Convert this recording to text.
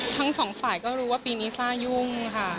ทั้งสองฝ่ายก็รู้ว่าปีนี้กล้ายุ่งค่ะ